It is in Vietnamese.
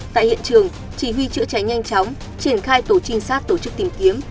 tại hiện trường chỉ huy chữa cháy nhanh chóng triển khai tổ trinh sát tổ chức tìm kiếm